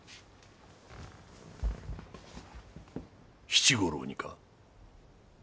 七五郎にか？